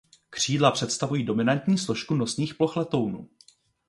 Křídla představují dominantní složku nosných ploch letounu.